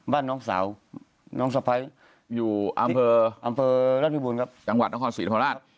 น้องสาวน้องสะพ้ายอยู่อำเภออำเภอราชพิบูรณครับจังหวัดนครศรีธรรมราช